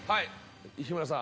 日村さん